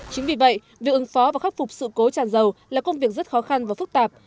chính vì vậy việc ứng phó và khắc phục sự cố tràn dầu là công việc rất khó khăn và phức tạp